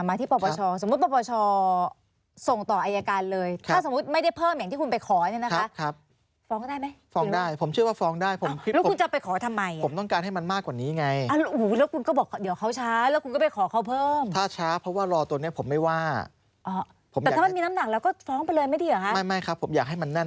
มันก็ลืมมันเป็นความจริงใช่ไม่จะบอกว่าคืออันเนี้ยจำได้ทุกอย่างทุกขั้นตอน